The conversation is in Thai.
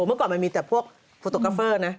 เมื่อก่อนมันมีแต่พวกโฟโตกาเฟอร์นะ